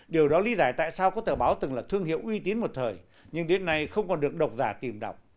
điều đó lý giải tại sao có tờ báo từng là thương hiệu uy tín một thời nhưng đến nay không còn được độc giả tìm đọc